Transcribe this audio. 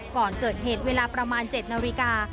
ก่อนเกิดเหตุเวลาประมาณ๗นาฬิกา